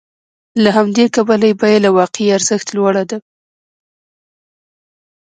له همدې کبله یې بیه له واقعي ارزښت لوړه ده